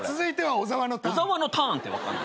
小沢のターンって分かんない。